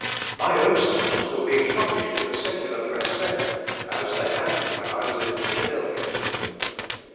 My own sermons were being published in the secular press then, as they had been when I was in Philadelphia.